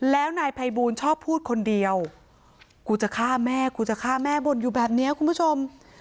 แล้วนายภัยบูลชอบพูดคนเดียวกูจะฆ่าแม่กูจะฆ่าแม่บ่นอยู่แบบนี้คุณผู้ชม